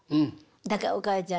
「だからお母ちゃん